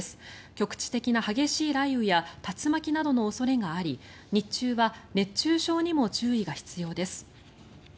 局地的な激しい雷雨や竜巻などの恐れがあり日中は熱中症にも注意が必要です。